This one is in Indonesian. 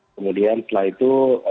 kemudian setelah itu